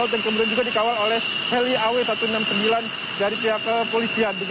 dan kemudian juga dikawal oleh heli aw satu ratus enam puluh sembilan dari pihak polisian